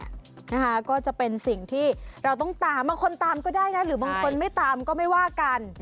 นะคะก็จะเป็นสิ่งที่เราต้องตามบางคนตามก็ได้นะหรือบางคนไม่ตามก็ไม่ว่ากัน